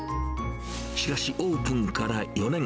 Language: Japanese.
しかし、オープンから４年。